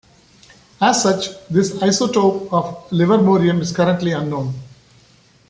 As such, this isotope of livermorium is currently unknown.